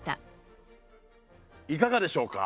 いかがでしょうか？